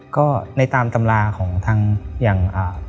ก็ในตามตำราของทางอย่าง